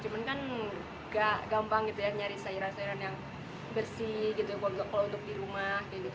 cuman kan gak gampang gitu ya nyari sayuran sayuran yang bersih gitu kalau untuk di rumah